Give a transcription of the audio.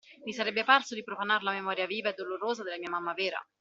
Mi sarebbe parso di profanar la memoria viva e dolorosa della mia mamma vera.